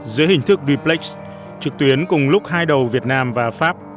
giữa hình thức duplex trực tuyến cùng lúc hai đầu việt nam và pháp